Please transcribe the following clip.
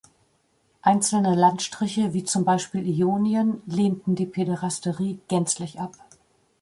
Einzelne Landstriche, wie zum Beispiel Ionien, lehnten die Päderastie gänzlich ab.